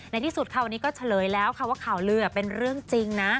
ที่สุดค่ะวันนี้ก็เฉลยแล้วค่ะว่าข่าวลือเป็นเรื่องจริงนะ